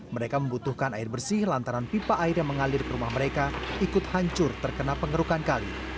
mereka membutuhkan air bersih lantaran pipa air yang mengalir ke rumah mereka ikut hancur terkena pengerukan kali